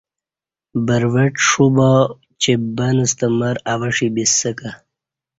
بروڄ ݜو با چہ بن ستہ مر اوہ ݜی ب سہ کہ